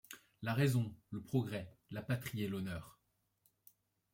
La raison, le progrès, la patrie et l'honneur.